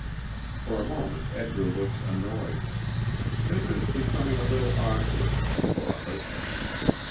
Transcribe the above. For a moment Edgar looks annoyed. This is becoming a little awkward for a husband.